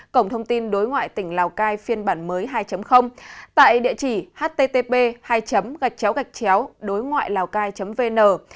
cộng thông tin đối ngoại tỉnh lào cai phiên bản mới hai tại địa chỉ http đối ngoạilàocai vn